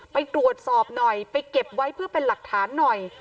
ไปตรวจสอบหน่อยไปเก็บไว้เพื่อเป็นหลักฐานหน่อย